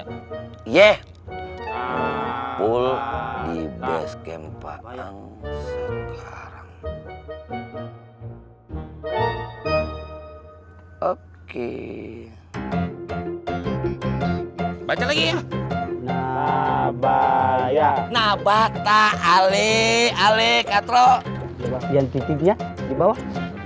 biar titiknya di bawah